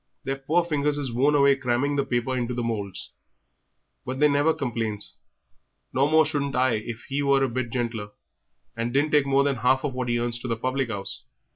Their poor fingers is worn away cramming the paper into the moulds; but they never complains, no more shouldn't I if he was a bit gentler and didn't take more than half of what he earns to the public 'ouse.